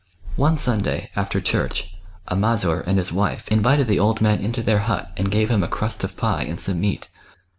One Sunday, after church, a Mazur and his wife invited the old man into their hut and gave him a crust of pie and some meat.